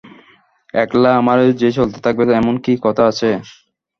একলা আমারই যে চলতে থাকবে এমন কী কথা আছে?